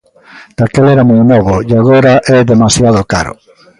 Daquela era moi novo e agora é demasiado caro...